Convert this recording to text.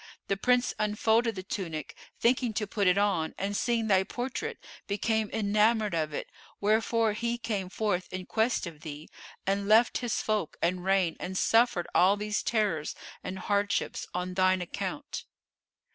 The Prince unfolded the tunic, thinking to put it on, and seeing thy portrait, became enamoured of it; wherefore he came forth in quest of thee, and left his folk and reign and suffered all these terrors and hardships on thine account."